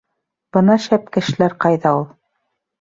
— Бына шәп кешеләр ҡайҙа ул!